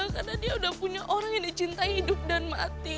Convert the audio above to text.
karena dia udah punya orang yang dicintai hidup dan mati